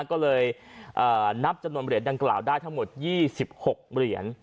ก็เลยนับจำนวนเหรียญดังกล่าวได้ทั้งหมด๒๖เหรียญ